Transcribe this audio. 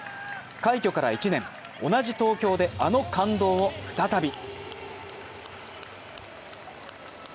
快挙から１年、同じ東京で、あの感動を再び。